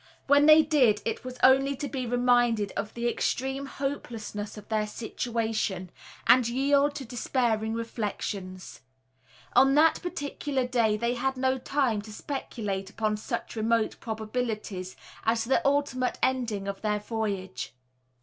When they did, it was only to be reminded of the extreme hopelessness of their situation, and yield to despairing reflections. On that particular day they had no time to speculate upon such remote probabilities as the ultimate ending of their voyage.